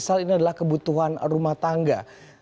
yang paling besar ini adalah kebutuhan rumah tangga